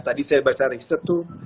tadi saya baca riset tuh